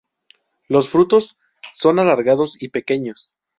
Los frutos son alargados y pequeños.